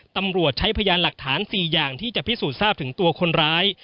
ตำรวจใช้พยานหลักฐาน๔อย่างที่จะพิสูจนทราบถึงตัวคนร้าย